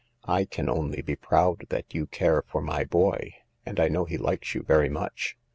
" J can only be proud that you care for my boy. And I know he likes you very much.